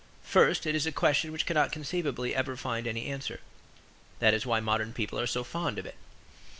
First it is a question which cannot conceivably ever find any answer: that is why modern people are so fond of it.